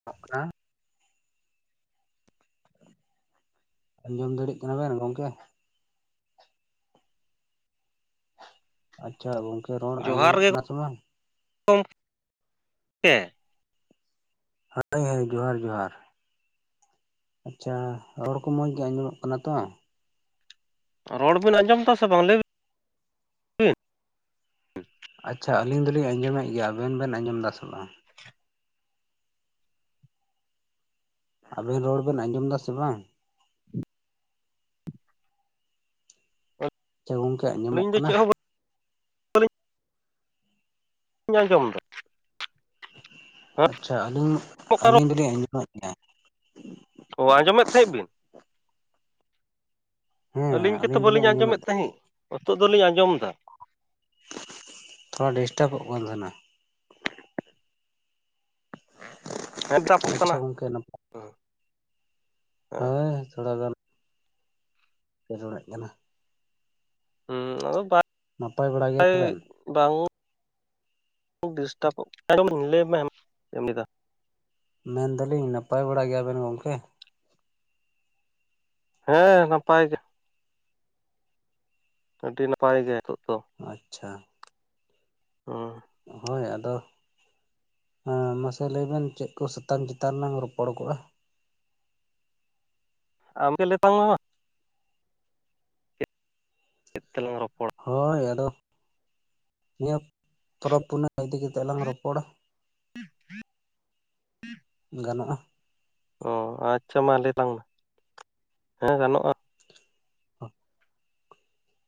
[inaudible] ᱟᱸᱡᱚᱢ ᱫᱟᱲᱮᱜ ᱠᱟᱱᱟ ᱵᱮᱱ ᱜᱚᱝᱠᱮ? ᱟᱪᱪᱷᱟ ᱜᱚᱝᱠᱮ ᱨᱚᱲ ᱡᱚᱦᱟᱨ ᱟᱸᱡᱚᱢᱚᱜ ᱜᱮ ᱠᱟᱱᱟ ᱥᱮ ᱵᱟᱝ? [inaudible] [inaudible] ᱡᱚᱸᱦᱟᱨ ᱡᱚᱸᱦᱟᱨ᱾ ᱟᱪᱪᱷᱟ ᱨᱚᱲ ᱠᱚ ᱢᱚᱸᱡᱽ ᱜᱮ ᱟᱸᱡᱚᱢᱚᱜ ᱠᱟᱱᱟ ᱛᱚ? ᱨᱚᱲ ᱵᱤᱱ ᱟᱸᱡᱚᱢ ᱫᱟ ᱥᱮ ᱵᱟᱝ ᱞᱟᱹᱭ ᱵᱤ? ᱟᱪᱪᱷᱟ ᱟᱹᱞᱤᱧ ᱫᱚᱞᱤᱧ ᱟᱸᱡᱚᱢᱮᱫ ᱜᱮᱭᱟ ᱟᱵᱮᱱ ᱵᱮᱱ ᱟᱸᱡᱚᱢ ᱫᱟ ᱥᱮ ᱵᱟᱝ? ᱟᱵᱮᱱ ᱨᱚᱲ ᱵᱮᱱ ᱟᱸᱡᱚᱢ ᱫᱟ ᱥᱮ ᱵᱟᱝ? ᱟᱪᱪᱷᱟ ᱜᱚᱝᱠᱮ [inaudible] ᱟᱸᱡᱚᱢᱚᱜ ᱟᱹᱞᱤᱧ ᱫᱚ ᱠᱟᱱᱟ ᱪᱮᱫ ᱦᱚᱸ [inaudible] [inaudible] ᱟᱸᱡᱚᱢ ᱫᱟ᱾ ᱟᱪᱪᱷᱟ ᱟᱹᱞᱤᱧ ᱚᱠᱟ ᱨᱚᱲ? ᱟᱹᱞᱤᱧ ᱫᱚᱞᱤᱧ ᱟᱸᱡᱚᱢᱮᱫ ᱛᱟᱦᱮᱸ᱾ ᱚ ᱟᱸᱡᱚᱢᱮᱫ ᱛᱟᱦᱮᱸᱜ ᱵᱤᱱ? ᱦᱮᱸ ᱟᱹᱞᱤᱧ ᱜᱮᱛᱚ ᱫᱚᱞᱤᱧ ᱵᱟᱹᱞᱤᱧ ᱟᱸᱡᱚᱢᱮᱫ ᱫᱚ ᱛᱟᱦᱤᱸᱜ ᱦᱳᱛᱚᱜ ᱫᱚᱞᱤᱧ ᱟᱸᱡᱚᱢ ᱫᱟ᱾ ᱛᱷᱚᱲᱟ ᱰᱤᱥᱴᱟᱯᱚᱜ ᱠᱟᱱ ᱛᱟᱦᱮᱸᱱᱟ᱾ ᱦᱮᱸ ᱴᱟᱯᱚᱜ ᱟᱪᱪᱷᱟ ᱠᱟᱱᱟ, ᱜᱚᱝᱠᱮ ᱱᱟᱯᱟᱭ ᱦᱩᱸ᱾ ᱦᱳᱭ ᱛᱷᱚᱲᱟ ᱜᱟᱱ᱾ ᱯᱮ ᱨᱚᱲᱮᱫ ᱠᱟᱱᱟ᱾ ᱦᱩᱸ ᱟᱫᱚ [inaudible] ᱱᱟᱯᱟᱭ ᱵᱟᱲᱟ ᱜᱮᱭᱟ ᱵᱮᱱ? [inaudible] ᱰᱤᱥᱴᱟᱯᱚᱜ [inaudible] ᱞᱟᱹᱭ ᱵᱮᱱ, ᱪᱮᱫ ᱮᱢ ᱞᱟᱹᱭ ᱫᱟ? ᱢᱮᱱ ᱫᱟᱞᱤᱧ ᱱᱟᱯᱟᱭ ᱵᱟᱲᱟ ᱜᱮᱭᱟᱵᱮᱱ ᱜᱚᱢᱠᱮ? ᱦᱮᱸ ᱱᱟᱯᱟᱭ ᱜᱮ᱾ ᱟᱹᱰᱤ ᱱᱟᱯᱟᱭ ᱜᱮ ᱦᱤᱛᱳᱜ ᱫᱚ᱾ ᱟᱪᱪᱷᱟ᱾ ᱚᱸ᱾ ᱦᱳᱭ ᱟᱫᱚ ᱦᱮᱸ ᱢᱟ ᱥᱮ ᱞᱟᱹᱭᱵᱮᱱ ᱪᱮᱫ ᱠᱚ ᱥᱟᱮᱛᱟᱢ ᱪᱮᱛᱟᱱ ᱞᱟᱝ ᱨᱚᱯᱚᱲ ᱠᱚᱜᱼᱟ? ᱟᱢ ᱜᱮ ᱞᱟᱹᱭ ᱛᱟᱞᱟᱝ ᱢᱮ ᱢᱟ᱾ ᱪᱮᱫ ᱛᱮᱞᱟᱝ ᱨᱚᱯᱚᱲᱟ? ᱦᱳᱭ ᱟᱫᱚ, ᱱᱤᱭᱟᱹ ᱯᱚᱨᱚᱵᱽ ᱯᱩᱱᱟᱹᱭ ᱤᱫᱤ ᱠᱟᱛᱮᱜ ᱞᱟᱝ ᱨᱚᱯᱚᱲᱟ᱾ [inaudible] ᱜᱟᱱᱚᱜᱼᱟ᱾ ᱚ ᱟᱪᱪᱷᱟ ᱢᱟ ᱞᱟᱹᱭ ᱛᱟᱞᱟᱝ ᱢᱮ, ᱦᱮᱸ ᱜᱟᱱᱚᱜᱼᱟ᱾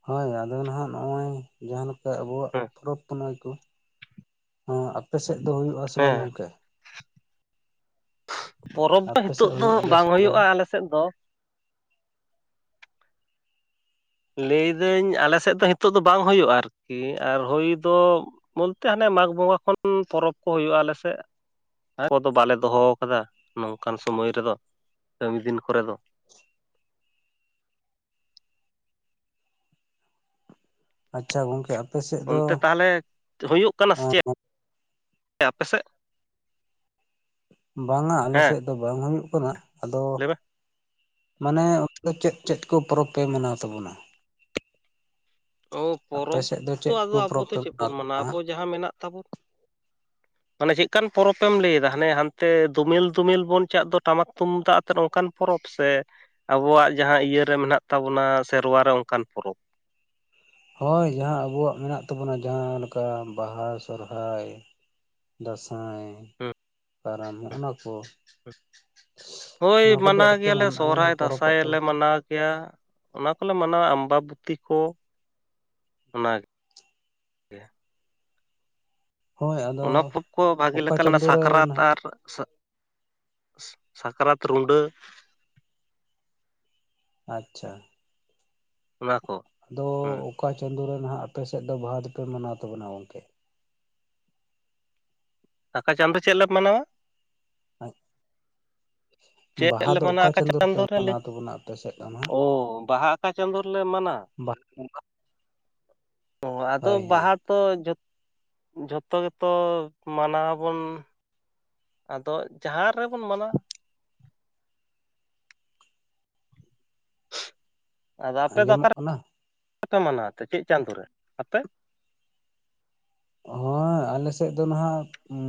ᱦᱳᱭ ᱟᱫᱚ ᱱᱟᱦᱟᱜ ᱱᱚᱜᱼᱚᱭ ᱡᱟᱦᱟᱸ ᱞᱮᱠᱟ ᱟᱵᱚᱣᱟᱜ ᱦᱮᱸ ᱯᱚᱨᱚᱵᱽ ᱯᱩᱱᱟᱹᱭ ᱠᱚ, ᱦᱮᱸ ᱟᱯᱮ ᱥᱮᱫ ᱫᱚ ᱦᱩᱭᱩᱜᱼᱟ ᱥᱮ ᱦᱮᱸ ᱵᱟᱝ ᱜᱚᱝᱠᱮ? ᱯᱚᱨᱚᱵᱽ ᱫᱚ ᱟᱯᱮ ᱥᱮᱫ ᱦᱤᱛᱚᱜ ᱫᱚ ᱦᱩᱭᱩᱜ ᱜᱮᱭᱟ ᱵᱟᱝ ᱥᱮ ᱦᱩᱭᱩᱜᱼᱟ ᱟᱞᱮ ᱥᱮᱫ ᱫᱚ᱾ ᱞᱟᱹᱭ ᱫᱟᱹᱧ ᱟᱞᱮ ᱥᱮᱫ ᱫᱚ ᱦᱤᱸᱛᱳᱜ ᱫᱚ ᱵᱟᱝ ᱦᱩᱭᱩᱜᱼᱟ ᱟᱨᱠᱤ, ᱟᱨ ᱦᱩᱭ ᱫᱚ ᱵᱚᱞᱛᱮ ᱦᱟᱱᱮ ᱢᱟᱜᱽ ᱵᱚᱸᱜᱟ ᱠᱷᱚᱱ ᱯᱚᱨᱚᱵᱽ ᱠᱚ ᱦᱩᱭᱩᱜᱼᱟ ᱟᱞᱮ ᱥᱮᱫ᱾ ᱠᱚ ᱫᱚ ᱵᱟᱞᱮ ᱫᱚᱦᱚ ᱠᱟᱫᱟ, ᱱᱚᱝᱠᱟᱱ ᱥᱚᱢᱚᱭ ᱨᱮᱫᱚ, ᱠᱟᱹᱢᱤ ᱫᱤᱱ ᱠᱚᱨᱮ ᱫᱚ᱾ ᱟᱪᱪᱷᱟ ᱜᱚᱝᱠᱮ᱾ ᱥᱮᱫ ᱫᱚ ᱚᱱᱛᱮ ᱛᱟᱦᱚᱞᱮ ᱦᱩᱭᱩᱜ ᱠᱟᱱᱟ ᱥᱮ ᱪᱮᱫ ᱟᱯᱮ ᱥᱮᱫ? ᱵᱟᱝᱟ ᱟᱞᱮ ᱦᱮᱸ ᱥᱮᱫ ᱫᱚ ᱵᱟᱝ ᱦᱩᱭᱩᱜ ᱠᱟᱱᱟ ᱟᱫᱚ ᱞᱟᱹᱭ ᱢᱮ ᱢᱟᱱᱮ ᱚᱱᱛᱮ ᱫᱚ ᱪᱮᱫ ᱪᱮᱫ ᱠᱚ ᱯᱚᱨᱚᱵᱽ ᱯᱮ ᱢᱟᱱᱟᱣ ᱛᱟᱵᱚᱱᱟ? ᱚ ᱟᱯᱮ ᱯᱚᱨᱚᱵᱽ ᱥᱮᱫ ᱫᱚ ᱛᱚ ᱪᱮᱫ ᱟᱫᱚ ᱠᱚ ᱟᱵᱚ ᱯᱚᱨᱚᱵᱽ ᱫᱚ ᱯᱮ ᱪᱮᱫ ᱢᱟᱱᱟᱣ ᱵᱚᱱ ᱛᱟᱵᱚᱱᱟ ᱢᱟᱱᱟᱣᱟ ᱟᱵᱚ ᱦᱟᱸᱜ? ᱡᱟᱦᱟᱸ ᱢᱮᱱᱟᱜ ᱛᱟᱵᱚ᱾ [inaudible] ᱢᱟᱱᱮ ᱪᱮᱫᱠᱟᱱ ᱯᱚᱨᱚᱵᱽ ᱮᱢ ᱞᱟᱹᱭ ᱫᱟ? ᱦᱟᱱᱮ ᱦᱟᱱᱛᱮ ᱫᱚᱢᱮᱞ ᱫᱚᱢᱮᱞ ᱵᱚᱱ ᱪᱟᱜ ᱫᱚ ᱴᱟᱢᱟᱠ ᱛᱩᱢᱫᱟᱜ ᱟᱛᱮᱫ ᱚᱱᱠᱟᱱ ᱯᱚᱨᱚᱵᱽ ᱥᱮ ᱟᱵᱚᱣᱟᱜ ᱡᱟᱦᱟᱸ ᱤᱭᱟᱹ ᱨᱮ ᱢᱮᱱᱟᱜ ᱛᱟᱵᱚᱱᱟ ᱥᱮᱨᱣᱟ ᱨᱮ ᱚᱱᱠᱟᱱ ᱯᱚᱨᱚᱵᱽ? ᱦᱳᱭ ᱡᱟᱦᱟᱸ ᱟᱵᱚᱣᱟᱜ ᱢᱮᱱᱟᱜ ᱛᱟᱵᱚᱱᱟ ᱡᱟᱦᱟᱸᱮ ᱞᱮᱠᱟ ᱵᱟᱦᱟ ᱥᱚᱨᱦᱟᱭ, ᱫᱟᱸᱥᱟᱭ, ᱦᱩᱸ ᱠᱟᱨᱟᱢ ᱦᱚᱸᱜᱼᱚ ᱱᱟ ᱠᱚ᱾ ᱦᱳᱭ ᱱᱚᱣᱟ ᱠᱚᱫᱚ ᱢᱟᱱᱟᱣ ᱟᱯᱮ ᱜᱮᱭᱟᱞᱮ ᱥᱚᱦᱨᱟᱭ ᱫᱟᱸᱥᱟᱭ ᱯᱚᱨᱚᱵᱚᱜ ᱛᱟᱵᱚ ᱞᱮ ᱢᱟᱱᱟᱣ ᱜᱮᱭᱟ, ᱚᱱᱟ ᱠᱚ ᱞᱮ ᱢᱟᱱᱟᱣᱟ ᱟᱢᱵᱟᱵᱚᱛᱤ ᱠᱚ, ᱚᱱᱟ ᱦᱳᱭ ᱟᱫᱚ ᱚᱱᱟ [inaudible] ᱠᱚ ᱵᱷᱟᱹᱜᱮ ᱚᱠᱟ ᱞᱮᱠᱟ ᱪᱟᱸᱫᱳ ᱨᱮ ᱥᱟᱠᱨᱟᱛ ᱱᱟᱦᱟᱜ ᱟᱨ ᱥᱟᱠᱨᱟᱛ, ᱨᱩᱸᱰᱟᱹ᱾ ᱟᱪᱪᱷᱟ᱾ ᱚᱱᱟ ᱠᱚ᱾ ᱟᱫᱚ ᱦᱩᱸ ᱚᱠᱟ ᱪᱟᱸᱫᱳ ᱨᱮ ᱱᱟᱦᱟᱜ ᱟᱯᱮ ᱥᱮᱫ ᱫᱚ ᱵᱟᱦᱟ ᱫᱚᱯᱮ ᱢᱟᱱᱟᱣ ᱛᱟᱵᱚᱱᱟ ᱜᱚᱝᱠᱮ? ᱚᱠᱟ ᱪᱟᱸᱫᱚ ᱪᱮᱫ ᱞᱮ ᱢᱟᱱᱟᱣᱟ? ᱪᱮᱫ ᱵᱟᱦᱟ ᱞᱮ ᱫᱚ ᱢᱟᱱᱟᱣᱟ ᱚᱠᱟ ᱟᱠᱟ ᱪᱟᱸᱫᱚ ᱨᱮᱯᱮ ᱪᱟᱸᱫᱳ ᱨᱮ ᱞᱟᱹᱭ ᱢᱟᱱᱟᱣ ᱛᱟᱵᱚᱱᱟ ᱟᱯᱮ ᱥᱮᱫ ᱫᱚ ᱱᱟᱦᱟᱜ? ᱚ ᱵᱟᱦᱟ ᱚᱠᱟ ᱪᱟᱸᱫᱚ ᱨᱮ ᱞᱮ ᱢᱟᱱᱟᱣᱟ? ᱵᱟᱦᱟ ᱵᱚᱸᱜᱟ ᱚ ᱟᱫᱚ ᱦᱳᱭ ᱦᱳᱭ ᱵᱟᱦᱟ ᱛᱚ ᱡᱷᱚ ᱡᱷᱚᱛᱚ ᱜᱮᱛᱚ ᱢᱟᱱᱟᱣ ᱟᱵᱚᱱ ᱟᱫᱚ ᱡᱟᱸᱦᱮᱨ ᱨᱮᱵᱚᱱ ᱢᱟᱱᱟᱣᱟ᱾ ᱟᱫᱚ ᱟᱯᱮ ᱫᱚ ᱚᱠᱟ ᱟᱸᱡᱚᱢᱚᱜ ᱨᱮ ᱠᱟᱱᱟ ᱯᱮ ᱢᱟᱱᱟᱣᱟ ᱛᱮ, ᱪᱮᱫ ᱪᱟᱸᱫᱚ ᱨᱮ ᱟᱯᱮ? ᱦᱳᱭ ᱟᱞᱮ ᱥᱮᱫ ᱫᱚ ᱱᱟᱦᱟᱜ ᱩᱸ᱾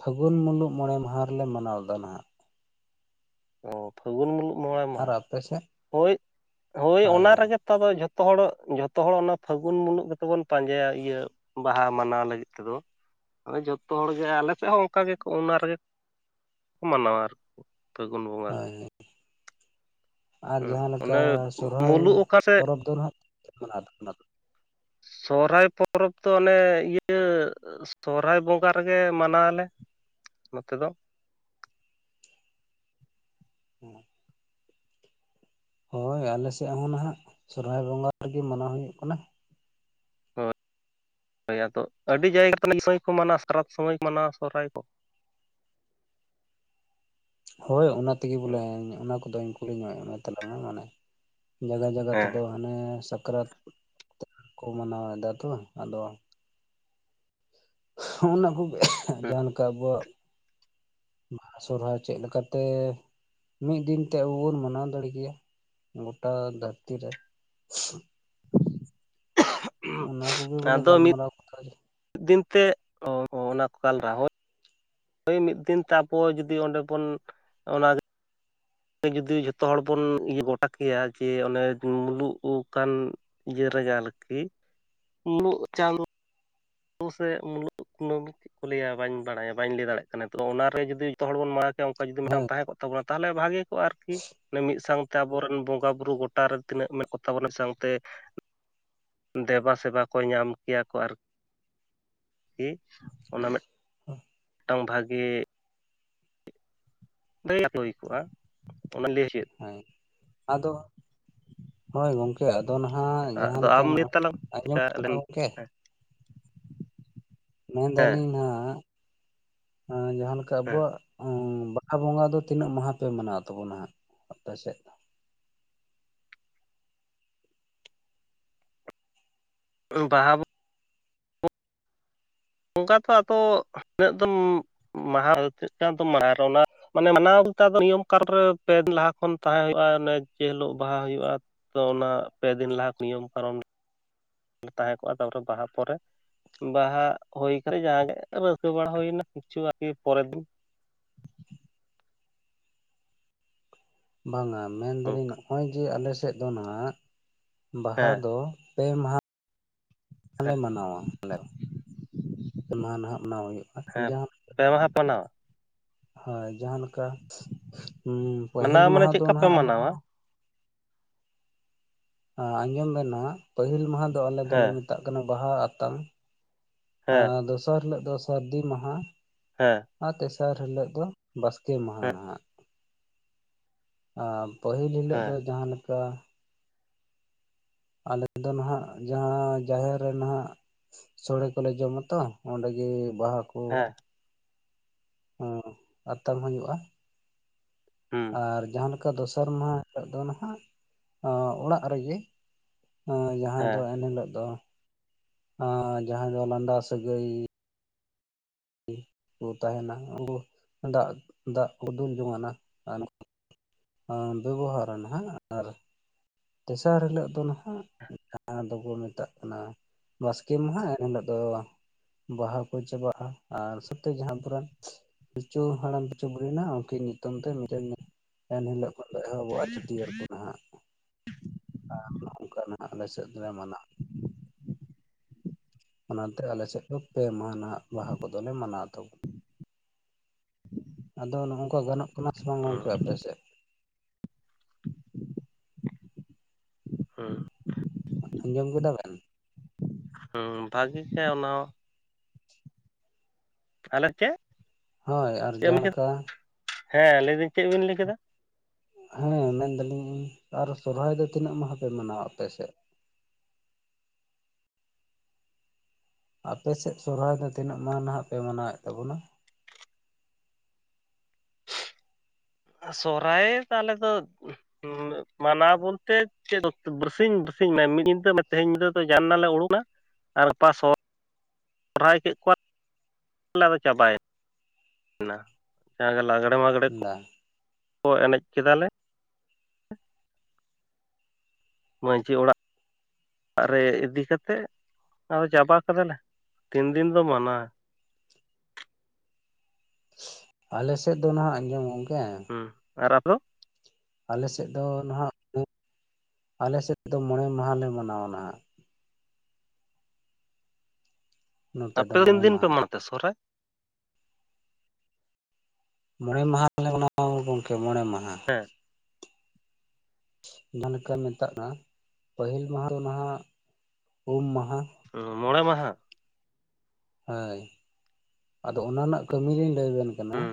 ᱯᱷᱟᱹᱜᱩᱱ ᱢᱩᱞᱩᱜ ᱢᱚᱬᱮ ᱢᱟᱦᱟ ᱨᱮᱞᱮ ᱢᱟᱱᱟᱣ ᱮᱫᱟ ᱱᱟᱦᱟᱜ᱾ ᱚ ᱯᱷᱟᱹᱜᱩᱱ ᱢᱩᱞᱩᱜ ᱢᱚᱬᱮ ᱟᱨ ᱢᱟᱦᱟ, ᱟᱯᱮ ᱥᱮᱫ? ᱦᱳᱭ ᱦᱳᱭ ᱚᱱᱟ ᱨᱮᱜᱮ ᱱᱮᱛᱟᱨ ᱫᱚ ᱡᱷᱚᱛᱚ ᱦᱚᱲ, ᱡᱷᱚᱛᱚ ᱦᱚᱲ ᱚᱱᱟ ᱯᱷᱟᱹᱜᱩᱱ ᱢᱩᱞᱩᱜ ᱜᱮᱛᱚ ᱵᱚᱱ ᱯᱟᱸᱡᱟᱭᱟ ᱤᱭᱟᱹ ᱵᱟᱦᱟ ᱢᱟᱱᱟᱣ ᱞᱟᱹᱜᱤᱫ ᱛᱮᱫᱚ, ᱟᱫᱚ ᱡᱷᱚᱛᱚ ᱦᱚᱲ ᱜᱮ ᱟᱞᱮ ᱥᱮᱫ ᱦᱚᱸ ᱚᱱᱠᱟ ᱜᱮ ᱠᱚ ᱚᱱᱟ ᱨᱮᱜᱮ ᱠᱚ ᱢᱟᱱᱟᱣᱟ ᱟᱨ, ᱯᱷᱟᱹᱜᱩᱱ ᱵᱚᱸᱜᱟ ᱨᱮ᱾ ᱦᱳᱭ ᱦᱳᱭ ᱟᱨ ᱡᱟᱦᱟᱸ ᱞᱮᱠᱟ ᱚᱱᱮ ᱥᱚᱨᱦᱟᱭ ᱢᱩᱞᱩᱜ ᱚᱠᱟ ᱥᱮᱫ ᱯᱚᱨᱚᱵᱽ ᱫᱚ ᱱᱟᱦᱟᱜ [inaudible] ᱥᱚᱦᱨᱟᱭ ᱯᱚᱨᱚᱵᱽ ᱫᱚ ᱚᱱᱮ ᱤᱭᱟᱹ ᱥᱚᱦᱨᱟᱭ ᱵᱚᱸᱜᱟ ᱨᱮᱜᱮ ᱢᱟᱱᱟᱣᱟᱞᱮ, ᱱᱚᱛᱮ ᱫᱚ᱾ ᱦᱚᱸ᱾ ᱦᱳᱭ ᱟᱞᱮ ᱥᱮᱫ ᱦᱚᱸ ᱱᱟᱦᱟᱜ ᱥᱚᱦᱨᱟᱭ ᱵᱚᱸᱜᱟ ᱨᱮᱜᱮ ᱢᱟᱱᱟᱣ ᱦᱩᱭᱩᱜ ᱠᱟᱱᱟ᱾ ᱦᱳᱭ ᱟᱫᱚ ᱟᱹᱰᱤ ᱡᱟᱭᱜᱟ [inaudible] ᱥᱚᱢᱚᱭ ᱠᱚ ᱢᱟᱱᱟᱣᱟ ᱥᱟᱠᱨᱟᱛ ᱥᱚᱢᱚᱭ ᱠᱚ ᱢᱟᱱᱟᱣᱟ ᱥᱚᱨᱦᱟᱭ ᱠᱚ᱾ ᱦᱳᱭ ᱚᱱᱟ ᱛᱮᱜᱮ ᱵᱚᱞᱮ ᱦᱮᱸ ᱚᱱᱟ ᱠᱚᱫᱚᱧ ᱠᱩᱞᱤ ᱧᱚᱜ ᱮᱫ ᱢᱮ ᱛᱟᱞᱟᱝᱟ ᱢᱟᱱᱮ ᱡᱟᱭᱜᱟ ᱡᱟᱭᱜᱟ ᱛᱮᱫᱚ ᱦᱮᱸ ᱦᱟᱱᱮ ᱥᱟᱠᱨᱟᱛ ᱠᱚ ᱢᱟᱱᱟᱣ ᱮᱫᱟ ᱛᱚ ᱟᱫᱚ ᱚᱱᱟ ᱠᱚᱜᱮ ᱡᱟᱦᱟᱸ ᱞᱮᱠᱟ ᱟᱵᱚᱣᱟᱜ ᱵᱟᱦᱟ ᱥᱚᱨᱦᱟᱭ ᱪᱮᱫ ᱞᱮᱠᱟ ᱛᱮ ᱢᱤᱫ ᱫᱤᱱ ᱛᱮ ᱟᱵᱚ ᱵᱚᱱ ᱢᱟᱱᱟᱣ ᱫᱟᱲᱮᱜ ᱜᱮᱭᱟ ᱜᱚᱴᱟ ᱫᱷᱟᱹᱨᱛᱤ ᱨᱮ᱾ [inaudible] ᱚᱱᱟ ᱠᱚᱜᱮ ᱵᱚᱞᱮ ᱟᱫᱚ ᱜᱟᱞᱢᱟᱨᱟᱣ ᱠᱟᱛᱷᱟ ᱜᱮ᱾ ᱢᱤᱫ ᱫᱤᱱ ᱛᱮ [inaudible] ᱦᱳᱭ ᱢᱤᱫ ᱫᱤᱱᱱ ᱛᱮ ᱟᱵᱚ ᱡᱩᱫᱤ ᱚᱸᱰᱮ ᱵᱚᱱ ᱚᱱᱟ [inaudible] ᱡᱩᱫᱤ ᱡᱷᱚᱛᱚ ᱦᱚᱲ ᱵᱚᱱ ᱤᱭᱟᱹ ᱜᱚᱴᱟ ᱠᱮᱭᱟ ᱡᱮ ᱚᱱᱮ ᱢᱩᱞᱩᱜ ᱟᱠᱟᱱ ᱤᱭᱟᱹ ᱨᱮᱜᱮ ᱟᱨᱠᱤ, ᱢᱩᱞᱩᱜ ᱪᱟᱸᱫᱚ [inaudible] ᱥᱮ ᱢᱩᱞᱩᱜ ᱠᱩᱱᱟᱹᱢᱤ ᱠᱚ ᱞᱟᱹᱭᱟ ᱵᱟᱹᱧ ᱵᱟᱲᱟᱭᱟ ᱵᱟᱹᱧ ᱞᱟᱹᱭ ᱫᱟᱲᱮᱜ ᱠᱟᱱᱟ ᱛᱚ ᱚᱱᱟᱨᱮ ᱜᱮ ᱡᱩᱫᱤ ᱡᱷᱚᱛᱚ ᱦᱚᱲ ᱵᱚᱱ ᱢᱟᱣᱮᱭᱟ ᱠᱮᱭᱟ ᱚᱱᱠᱟ ᱡᱩᱫᱤ ᱢᱤᱫᱴᱟᱝ ᱦᱳᱭ ᱟᱝ ᱛᱟᱦᱮᱸ ᱠᱚᱜ ᱛᱟᱵᱚᱱᱟ ᱛᱟᱦᱚᱞᱮ ᱵᱷᱟᱹᱜᱮ ᱠᱚᱜᱼᱟ ᱟᱨᱠᱤ᱾ ᱢᱟᱱᱮ ᱢᱤᱫ ᱥᱟᱝᱛᱮ ᱟᱵᱚᱨᱮᱱ ᱵᱚᱸᱜᱟ ᱵᱩᱨᱩ ᱜᱚᱴᱟ ᱨᱮᱱ ᱛᱤᱱᱟᱹᱜ ᱢᱮᱱᱟᱜ ᱠᱚ ᱛᱟᱵᱚᱱᱟ ᱢᱤᱫ ᱥᱟᱝᱛᱮ ᱫᱮᱵᱟ ᱥᱮᱵᱟ ᱠᱚ ᱧᱟᱢ ᱠᱮᱭᱟ ᱠᱚ ᱟᱨ ᱠᱤ ᱚᱱᱟ ᱢᱤᱫ [inaudible] ᱴᱟᱝ ᱵᱷᱟᱜᱮ [inaudible] ᱦᱩᱭ ᱠᱚᱜᱼᱟ ᱚᱱᱟ [inaudible] ᱦᱳᱭ, ᱟᱫᱚ ᱦᱳᱭ ᱜᱚᱝᱠᱮ ᱟᱫᱚ ᱱᱟᱦᱟᱜ ᱡᱟᱦᱟᱸ ᱟᱫᱚ ᱞᱮᱠᱟ ᱟᱢ ᱞᱟᱹᱭ ᱱᱚᱜᱼᱚᱭ, ᱛᱟᱞᱟᱝ ᱪᱮᱠᱟ ᱟᱸᱡᱚᱢᱚᱜ ᱠᱟᱱᱟ ᱞᱮᱱ ᱜᱚᱝᱠᱮ? ᱢᱮᱱ ᱦᱮᱸ ᱫᱟᱞᱤᱧ ᱱᱟᱦᱟᱜ ᱡᱟᱦᱟᱸ ᱞᱮᱠᱟ ᱟᱵᱚᱣᱟᱜ ᱩᱸᱻ ᱵᱟ ᱦᱟ ᱵᱚᱸᱜᱟ ᱫᱚ ᱛᱤᱱᱟᱹᱜ ᱢᱟᱦᱟ ᱯᱮ ᱢᱟᱱᱟᱣ ᱛᱟᱵᱚᱱᱟ ᱦᱟᱸᱜ ᱟᱯᱮ ᱥᱮᱫ? ᱩᱸ ᱵᱟᱦᱟ ᱵᱚ ᱚᱱᱠᱟ ᱛᱚ ᱟᱫᱚ ᱤᱱᱟᱹᱜ ᱫᱚᱱ, ᱢᱟᱦᱟ [inaudible] [inaudible] ᱚᱱᱮ ᱡᱮ ᱦᱤᱞᱳᱜ ᱵᱟᱦᱟ ᱦᱩᱭᱩᱜᱼᱟ᱾ ᱟᱫᱚ ᱚᱱᱟ ᱯᱮ ᱫᱤᱱ ᱞᱟᱦᱟ ᱱᱤᱭᱚᱢ ᱠᱟᱨᱚᱱ ᱨᱮᱞᱮ ᱛᱟᱦᱮᱸ ᱠᱚᱜᱼᱟ ᱛᱟᱯᱚᱨᱮ ᱵᱟᱦᱟ ᱯᱚᱨᱮ ᱵᱟᱦᱟ ᱦᱩᱭ ᱠᱟᱛᱮᱫ ᱡᱟᱦᱟᱸ ᱜᱮ ᱨᱟᱹᱥᱠᱟᱹ ᱵᱟᱲᱟ ᱦᱩᱭ ᱮᱱᱟ ᱠᱤᱪᱷᱩ ᱟᱨᱠᱤ ᱯᱚᱨᱮᱨ ᱫᱤᱱ᱾ ᱵᱟᱝᱟ ᱢᱮᱱ ᱫᱟᱞᱤᱧ ᱱᱚᱜᱼᱚᱭ ᱡᱮ ᱟᱞᱮ ᱥᱮᱫ ᱫᱚ ᱱᱟᱦᱟᱜ, ᱵᱟᱦᱟ ᱦᱮᱸ ᱫᱚ ᱯᱮ ᱢᱟᱦᱟ ᱞᱮ ᱦᱮᱸ ᱢᱟᱱᱟᱣᱟ ᱟᱞᱮ ᱫᱚ᱾ ᱯᱮ ᱢᱟᱦᱟ ᱱᱟᱦᱟᱜ ᱢᱟᱱᱟᱣ ᱦᱩᱭᱩᱜᱼᱟ ᱦᱮᱸ ᱡᱟᱦᱟᱸ [inaudible] ᱯᱮ ᱢᱟᱦᱟ ᱢᱟᱱᱟᱣᱟ? ᱦᱳᱭ ᱡᱟᱦᱟᱸ ᱞᱮᱠᱟ ᱩᱸ ᱯᱟᱹᱦᱤᱞ ᱢᱟᱱᱟᱣ ᱢᱟᱱᱮ ᱢᱟᱦᱟ ᱪᱮᱫ ᱫᱚ ᱞᱮᱠᱟ ᱯᱮ ᱱᱟᱦᱟᱜ ᱟᱞᱮ ᱫᱚ ᱢᱟᱱᱟᱣᱟ ᱟ ᱟᱡᱚᱢ ᱵᱮᱱ ᱱᱟᱦᱟᱜ, ᱯᱟᱹᱦᱤᱞ ᱢᱟᱦᱟ ᱫᱚ ᱟᱞᱮ ᱫᱚᱞᱮ ᱦᱮᱸ ᱢᱮᱛᱟᱜ ᱠᱟᱱᱟ ᱵᱟᱦᱟ ᱟᱛᱟᱝ᱾ ᱦᱮᱸ ᱟᱨ ᱫᱚᱥᱟᱨ ᱦᱤᱞᱳᱜ ᱫᱚ ᱥᱟᱹᱨᱫᱤ ᱢᱟᱦᱟ᱾ ᱦᱮᱸ᱾ ᱟᱨ ᱛᱮᱥᱟᱨ ᱦᱤᱞᱳᱜ ᱫᱚ ᱵᱟᱥᱠᱮ ᱢᱟᱦᱟ ᱦᱮᱸ ᱱᱟᱦᱟᱜ᱾ ᱟ ᱯᱟᱹᱦᱤᱞ ᱦᱤᱞᱳᱜ ᱦᱮᱸ ᱫᱚ ᱡᱟᱦᱟᱸ ᱞᱮᱠᱟ ᱟᱞᱮᱫ ᱫᱚ ᱱᱟᱦᱟᱜ ᱡᱟᱦᱟᱸ ᱡᱟᱦᱮᱨ ᱨᱮ ᱱᱟᱦᱟᱜ ᱥᱚᱲᱮ ᱠᱚᱞᱮ ᱡᱚᱢᱟ ᱛᱚ ᱚᱸᱰᱮ ᱜᱮ ᱵᱟᱦᱟ ᱦᱮᱸ᱾ ᱦᱩ ᱟᱛᱟᱝ ᱦᱳᱭᱠᱜᱼᱟ ᱦᱩᱸ ᱟᱨ ᱡᱟᱦᱟᱞᱮ ᱠᱟ ᱫᱚᱥᱟᱨ ᱢᱟᱦᱟ ᱦᱤᱞᱳᱜ ᱫᱚ ᱱᱟᱦᱟᱜ ᱚᱲᱟᱜ ᱨᱮᱜᱮ ᱮᱸ ᱡᱟᱦᱟᱸ ᱫᱚ ᱦᱮᱸ ᱮᱱᱦᱤᱞᱳᱜ ᱫᱚ ᱡᱟᱦᱟ ᱫᱚ ᱞᱟᱸᱫᱟ ᱥᱟᱹᱜᱟᱹᱭ ᱠᱚ ᱛᱟᱦᱮᱱᱟ ᱩᱱᱠᱩ ᱫᱟᱜ, ᱫᱟᱜ ᱠᱚ ᱫᱩᱞ ᱡᱚᱝᱟᱱᱟ ᱟ ᱟᱸᱵᱮᱵᱚᱦᱟᱨᱟ ᱱᱟᱦᱟᱜ ᱟᱨ ᱛᱮᱥᱟᱨ ᱦᱤᱞᱳᱜ ᱫᱚ ᱱᱟᱦᱟᱜ ᱡᱟᱦᱟᱸ ᱫᱚᱠᱚ ᱢᱮᱛᱟᱜ ᱠᱟᱱᱟ ᱵᱟᱥᱠᱮᱹ ᱢᱟᱦᱟᱸ ᱮᱱᱦᱤᱞᱳᱜ ᱫᱚ ᱵᱟᱦᱟ ᱠᱚ ᱪᱟᱵᱟᱜᱼᱟ ᱟᱨ ᱥᱚᱛᱮ ᱡᱟᱦᱟᱸ ᱠᱚᱨᱮ ᱯᱤᱞᱪᱩ ᱦᱟᱲᱟᱢ ᱯᱤᱪᱩ ᱵᱩᱲᱦᱤ ᱱᱟᱜ ᱩᱱᱠᱤᱱ ᱧᱩᱛᱩᱢ ᱛᱮ ᱢᱤᱫᱴᱮᱱ ᱮᱱ ᱦᱤᱞᱳᱜ ᱩᱱᱫᱚ ᱮᱦᱚᱵᱚᱜ ᱟ ᱪᱷᱟᱹᱴᱭᱟᱹᱨ ᱠᱚ ᱱᱟᱦᱟᱸᱜ ᱟᱸ ᱱᱚᱝᱠᱟ ᱱᱟᱦᱟᱜ ᱟᱞᱮ ᱥᱮᱫ ᱫᱚᱞᱮ ᱢᱟᱱᱟᱣ ᱾ ᱚᱱᱟᱛᱮ ᱟᱞᱮᱥᱮᱫ ᱫᱚ ᱯᱮ ᱢᱟᱦᱟᱸ ᱱᱟᱜ ᱵᱟᱦᱟ ᱠᱚᱫᱚᱞᱮ ᱢᱟᱱᱟᱣ ᱾ ᱟᱫᱚ, ᱟᱫᱚ ᱱᱚᱜᱼᱝᱠᱟ ᱜᱟᱱᱚᱜ ᱠᱟᱱᱟ ᱥᱮ ᱵᱟᱝ ᱜᱚᱝᱠᱮ ᱟᱯᱮ ᱥᱮᱫ? ᱦᱩ [unintelligible] ᱟᱸᱡᱚᱢ ᱠᱮᱫᱟ ᱵᱮᱱ? ᱦᱩ, ᱵᱷᱟᱜᱮᱹ ᱜᱮ ᱚᱱᱟ-ᱚᱸ ᱾ ᱟᱞᱮ ᱪᱮ ᱦᱳᱭ, ᱟᱨ ᱡᱟᱦᱟᱸ ᱞᱟᱠᱟ ᱴᱷᱟ ᱡ, ᱦᱮᱸ ᱞᱟᱹᱭ ᱵᱤᱱ ᱪᱮᱜ ᱵᱤᱱ ᱞᱟᱹᱭ ᱠᱮᱫᱟ? ᱦᱮᱸ, ᱢᱮᱱᱫᱟ ᱞᱤᱧ ᱟᱨ ᱥᱚᱨᱦᱟᱭ ᱫᱚ ᱛᱤᱱᱟᱹᱜ ᱢᱟᱦᱟ ᱯᱮ ᱢᱟᱱᱟᱣᱟ ᱟᱯᱮ ᱥᱮᱫ? ᱟᱯᱮ ᱥᱮᱫ ᱥᱚᱦᱨᱟᱭ ᱫᱚ ᱛᱤᱱᱟᱹᱜ ᱢᱟᱦᱟᱸ ᱱᱟᱦᱟᱜ ᱯᱮ ᱢᱟᱱᱟᱣ ᱮᱫ ᱛᱟᱵᱚᱱᱟ? ᱥᱚᱨᱦᱟᱭ ᱫᱚ ᱟᱞᱮ ᱫᱚ ᱩᱷ-ᱩᱸ ᱢᱟᱱᱟᱣ ᱵᱳᱞᱛᱮ ᱪᱮᱫᱚ ᱵᱟᱹᱨᱥᱤᱧ ᱵᱟᱹᱨᱥᱤᱧ ᱢᱮ ᱢᱤᱫ ᱧᱤᱫᱟᱹ ᱢᱮ ᱛᱮᱹᱦᱮᱹᱧ ᱧᱤᱫᱟᱹ ᱫᱚ ᱡᱟᱱᱱᱟᱞᱮ ᱳᱲᱳᱱᱟ ᱟᱨ ᱯᱟ ᱥᱚᱫ ᱴᱨᱟᱭ ᱠᱮᱫ ᱠᱚᱣᱟ ᱟᱫᱚ ᱪᱟᱵᱟᱭ------ᱱᱟ ᱾ ᱡᱟᱜᱮ ᱞᱟᱜᱽᱲᱮ ᱢᱟᱜᱽᱲᱮ ᱫᱟ ᱠᱚ ᱮᱱᱮᱡ ᱠᱮᱫᱟᱞᱮ ᱢᱟᱹᱡᱷᱤ ᱚᱲᱟᱜ ᱚᱲᱟᱜ ᱨᱮ ᱤᱫᱤ ᱠᱟᱛᱮᱜ ᱟᱫᱚ ᱪᱟᱵᱟ ᱠᱟᱫᱟᱞᱮ ᱛᱤᱱ ᱫᱤᱱ ᱵᱚ ᱢᱟᱱᱟ ᱾ ᱥ-ᱩ-ᱜ, ᱟᱞᱮ ᱥᱮᱫ ᱫᱚ ᱦᱟᱜ ᱟᱸᱡᱚᱢ ᱜᱚᱝᱠᱮ ᱾ ᱦᱩ, ᱟᱨ ᱟᱯ ᱫᱚ? ᱟᱞᱮᱥᱮᱫ ᱫᱚ ᱱᱟᱦᱟᱜ ᱩᱸᱜ ᱟᱞᱮᱥᱮᱫ ᱫᱚ ᱢᱚᱬᱮ ᱢᱟᱦᱟᱞᱮ ᱢᱟᱱᱟᱣᱟ ᱱᱟᱦᱟᱜ ᱾ ᱱᱚᱛᱮ ᱫᱚ ᱟᱯᱮ ᱨᱤᱱ ᱢᱚᱬᱮ ᱫᱤᱱ ᱯᱮ ᱢᱟᱦᱟ ᱢᱟᱱᱛᱮ ᱥᱚᱨᱦᱟᱭ? ᱢᱚᱬᱮ ᱢᱟᱦᱟᱸ ᱫᱚᱞᱮ ᱢᱟᱱᱟᱣᱟ ᱜᱚᱝᱠᱮ ᱢᱚᱬᱮ ᱢᱟᱦᱟᱸ ᱾ ᱦᱮᱦ ᱡᱟᱦᱟᱸ ᱞᱮᱠᱟᱢ ᱢᱮᱛᱟᱜᱼᱟ ᱯᱟᱹᱦᱤᱞ ᱢᱟᱦᱟᱸ ᱫᱚ ᱱᱟᱦᱟᱜ ᱩᱢ ᱢᱟᱦᱟᱸ ᱩᱢ ᱢᱚᱬᱮ ᱢᱟᱦᱟᱸ? ᱦᱳᱭ, ᱟᱫᱚ ᱚᱱᱟ ᱨᱮᱱᱟᱜ ᱠᱟᱹᱢᱤ ᱞᱤᱧ ᱞᱟᱹᱭ ᱟᱵᱮᱱ ᱠᱟᱱᱟ ᱦᱩᱸ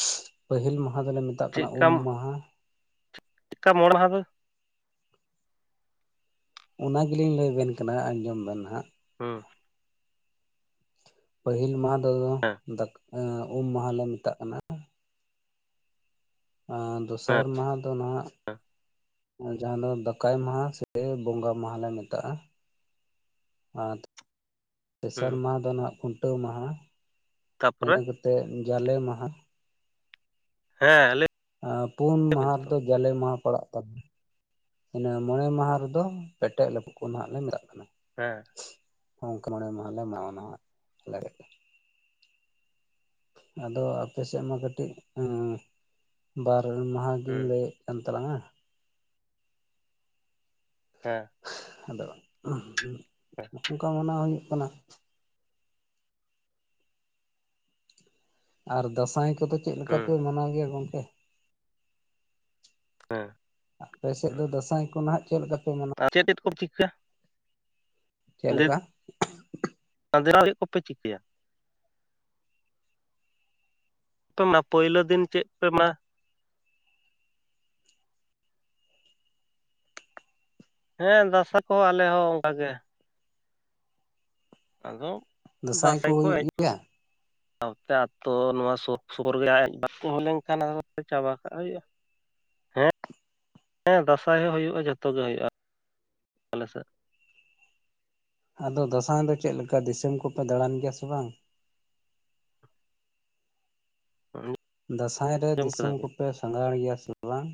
ᱥ-ᱩ-ᱜ, ᱯᱟᱹᱦᱤᱞ ᱢᱟᱦᱟᱸ ᱫᱚᱞᱮ ᱢᱮᱛᱟᱜ ᱠᱟᱱᱟ ᱩᱢ ᱢᱟᱦᱟᱸ ᱠᱟ ᱢᱚᱬ ᱢᱟᱦᱟᱸ ᱫᱚ? ᱚᱱᱟ ᱜᱮᱞᱤᱧ ᱞᱟᱹᱭ ᱟᱵᱮᱱ ᱠᱟᱱᱟ ᱟᱸᱡᱚᱢ ᱵᱮᱱ ᱦᱟᱸᱜ ᱦᱚᱸ ᱯᱟᱹᱦᱤᱞ ᱢᱟᱦᱟᱸ ᱫᱚ ᱦᱮᱸ ᱫᱟ ᱩᱢ ᱢᱟᱦᱟᱸᱞᱮ ᱞᱮ ᱢᱮᱛᱟᱜ ᱠᱟᱱᱟ ᱮᱸ ᱦᱮᱸ ᱫᱚᱥᱟᱨ ᱢᱟᱦᱟᱸᱫᱚ ᱱᱟᱦᱟᱸᱜ ᱡᱟᱦᱟᱸ ᱫᱚ ᱫᱟᱠᱟᱭ ᱢᱟᱦᱟ ᱥᱮ ᱵᱮᱹ ᱵᱚᱸᱜᱟ ᱢᱟᱦᱟᱸ ᱞᱮ ᱢᱮᱛᱟᱜᱼᱟ ᱟᱨ ᱛᱮᱥᱟᱨ ᱦᱩᱸ ᱢᱟᱦᱟᱸ ᱫᱚ ᱱᱟᱦᱟᱸᱜ ᱠᱷᱩᱱᱴᱟᱹᱣ ᱢᱟᱦᱟᱸ ᱛᱟᱯᱚᱨᱮ ᱤᱱᱟᱹ ᱠᱟᱛ ᱛᱮᱜ ᱡᱟᱞᱮᱹ ᱢᱟᱦᱟᱸ ᱦᱮᱸ ᱟᱞᱤ ᱟ ᱯᱩᱱ ᱢᱟᱦᱟ ᱨᱮᱫᱚ ᱡᱟᱞᱮ ᱢᱟᱦᱟ ᱯᱟᱲᱟᱜ ᱛᱟᱵᱮᱱᱟ᱾ ᱤᱱᱟᱹ ᱢᱚᱬᱮ ᱢᱟᱦᱟ ᱨᱮᱫᱚ ᱯᱮᱴᱮᱡ ᱞᱮᱯᱚ ᱠᱚ ᱱᱟ ᱦᱟᱜ ᱞᱮ ᱢᱮᱛᱟᱜ ᱠᱟᱱᱟ᱾ ᱦᱮᱸ ᱚᱝᱠᱟ ᱢᱚᱬᱮ ᱢᱟᱦᱟᱞ ᱞᱮ ᱢᱟᱱᱟᱣᱟ ᱚᱱᱟ ᱟᱞᱮ, ᱟᱫᱚ ᱟᱯᱮᱥᱮᱜ ᱢᱟ ᱠᱟᱹᱴᱤᱜ ᱵᱟᱨ ᱢᱟᱦᱟᱫᱤᱱ ᱦᱩᱸ ᱞᱮ ᱮᱱ ᱛᱟᱞᱟᱝᱟ ᱦᱮᱸ ᱟᱫᱚ ᱦᱮᱸ ᱚᱝᱠᱟ ᱢᱟᱱᱟᱣ ᱦᱩᱭᱩᱜ ᱠᱟᱱᱟ᱾ ᱟᱨ ᱫᱟᱸᱥᱟᱭ ᱠᱚᱫᱚ ᱪᱮᱫ ᱞᱮᱠᱟ ᱦᱩᱸ ᱠᱚ ᱢᱟᱱᱟᱣ ᱜᱮᱭᱟ ᱜᱚᱝᱠᱮ? ᱦᱮᱸ ᱟᱯᱮ ᱥᱮᱫ ᱦᱩᱸ ᱫᱚ ᱫᱟᱸᱥᱟᱭ ᱠᱚ ᱱᱦᱟᱜ ᱪᱮᱫ ᱞᱮᱠᱟ ᱯᱮ ᱢᱟᱱᱟᱣᱟ? ᱟᱨ ᱪᱮᱫ ᱪᱮᱫ ᱠᱚ ᱪᱤᱠᱟ ᱪᱮᱫ ᱞᱮᱠᱟ [unintelligible] ᱠᱚᱯᱮ ᱪᱤᱠᱟᱹᱭᱟ ᱯᱮ ᱢᱟ ᱯᱳᱭᱞᱳ ᱫᱤᱱ ᱪᱮᱫ ᱯᱮ ᱢᱟ ᱦᱮᱸ ᱫᱟᱸᱥᱟᱭ ᱠᱚᱦᱚᱸ ᱟᱞᱮ ᱦᱚᱸ ᱚᱝᱠᱟ ᱜᱮ᱾ ᱟᱫᱚ ᱫᱟᱸᱥᱟᱭ ᱠᱚ ᱦᱮᱡ ᱠᱚ [inaudible] ᱥᱟᱶᱛᱮ ᱟᱛᱚ ᱱᱚᱣᱟ ᱥᱩᱨ ᱥᱩᱯᱩᱨ [unintelligible] ᱜᱮ ᱵᱟ ᱦᱩᱭ ᱞᱮᱱᱠᱷᱟᱱ ᱟ ᱪᱟᱵᱟ ᱠᱟᱜ ᱦᱩᱭᱩᱜ-ᱟ ᱦᱮᱸ ᱫᱟᱸᱥᱟᱭ ᱦᱚᱸ ᱦᱳᱭᱳᱜ-ᱟ ᱡᱚᱛᱚ ᱜᱮ ᱦᱳᱭᱳᱜ-ᱟ ᱟᱞᱮᱥᱮᱫ᱾ ᱟᱫᱚ ᱫᱟᱸᱥᱟᱭ ᱫᱚ ᱪᱮᱫ ᱞᱮᱠᱟ ᱫᱤᱥᱚᱢ ᱠᱚᱯᱮ ᱫᱟᱬᱟᱱ ᱜᱮᱭᱟ ᱥᱮ ᱵᱟᱝ? [unintelligible] ᱫᱟᱸᱥᱟᱭ ᱨᱮ ᱟᱸᱡᱚᱢ ᱠᱮᱫᱟ ᱫᱤᱥᱚᱢ ᱵᱤᱱ? ᱠᱚᱯᱮ ᱥᱟᱸᱜᱷᱟᱲ ᱜᱮᱭᱟ ᱥᱮ ᱵᱟᱝ?